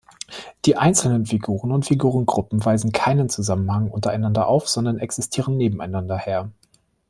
Die einzelnen Figuren und Figurengruppen weisen keinen Zusammenhang untereinander auf, sondern existieren nebeneinanderher.